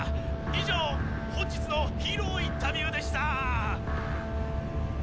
以上本日のヒーローインタビューでした」。